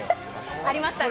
ありましたね。